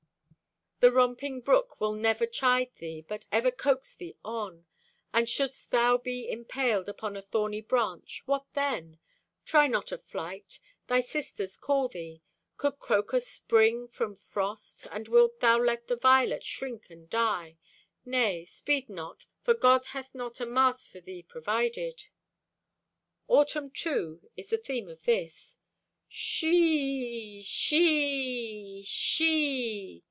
The romping brook Will never chide thee, but ever coax thee on. And shouldst thou be impaled Upon a thorny branch, what then? Try not a flight. Thy sisters call thee. Could crocus spring from frost, And wilt thou let the violet shrink and die? Nay, speed not, for God hath not A mast for thee provided. Autumn, too, is the theme of this: She e e! She e e! She e e e!